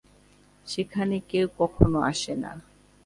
সেখানে কেউ কখনো আসে না।